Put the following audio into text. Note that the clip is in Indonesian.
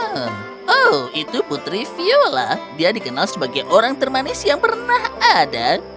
hmm oh itu putri viola dia dikenal sebagai orang termanis yang pernah ada